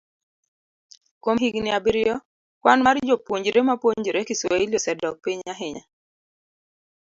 Kuom higini abiriyo, kwan mar jopuonjre mapuonjore Kiswahili osedok piny ahinya